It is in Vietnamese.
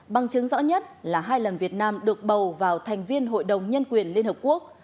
bằng chứng rõ nhất là hai lần việt nam được bầu vào thành viên hội đồng nhân quyền liên hợp quốc